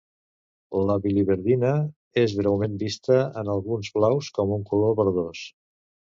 La biliverdina és breument vista en alguns blaus com un color verdós.